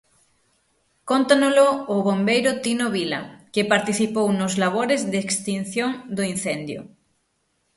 Cóntanolo o bombeiro Tino Vila, que participou nos labores de extinción do incendio.